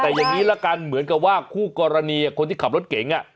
แต่อย่างนี้ละกันเหมือนกับว่าคู่กรณีคนที่ขับรถเก๋ง